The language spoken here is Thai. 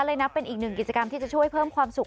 นับเป็นอีกหนึ่งกิจกรรมที่จะช่วยเพิ่มความสุข